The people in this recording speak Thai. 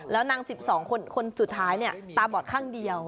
แล้วนาง๑๒คนสุดท้ายตาบอดข้างเดียว